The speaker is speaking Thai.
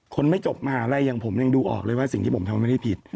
ไม่จบมหาลัยอย่างผมยังดูออกเลยว่าสิ่งที่ผมทำไม่ได้ผิด